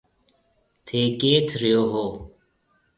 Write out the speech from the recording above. ٿَي ڪيٿ رهون هون؟